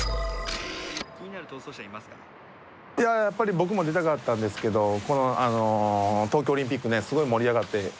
やっぱり僕も出たかったんですけど東京オリンピックねすごい盛り上がって。